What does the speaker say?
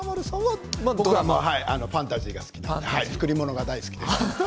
僕はファンタジーが好き作り物が大好きです。